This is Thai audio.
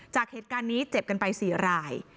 จากเหตุการณ์นี้เจ็บกันไป๔ราย